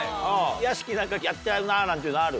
屋敷何かやっちゃうななんていうのある？